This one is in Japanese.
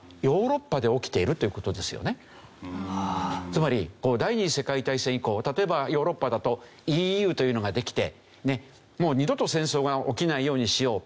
つまり第二次世界大戦以降例えばヨーロッパだとＥＵというのができてもう二度と戦争が起きないようにしよう。